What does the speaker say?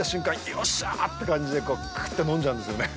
よっしゃーって感じでクーっと飲んじゃうんですよね。